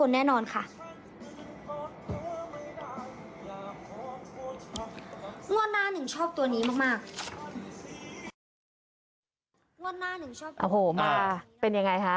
วันนี้เป็นยังไงคะ